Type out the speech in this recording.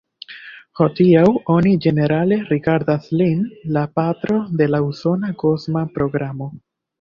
Hodiaŭ oni ĝenerale rigardas lin la patro de la usona kosma programo.